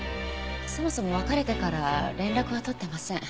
そもそも別れてから連絡は取っていません。